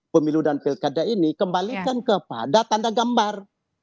pemilu dan pilkada ini kembalikan kepada tanda gambar